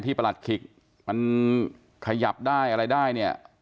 ประหลัดขิกมันขยับได้อะไรได้เนี่ย